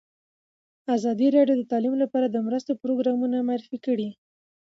ازادي راډیو د تعلیم لپاره د مرستو پروګرامونه معرفي کړي.